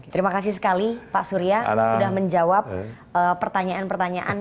terima kasih sekali pak surya sudah menjawab pertanyaan pertanyaan